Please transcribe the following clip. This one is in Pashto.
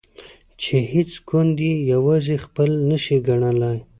چې هیڅ ګوند یې یوازې خپل نشي ګڼلای.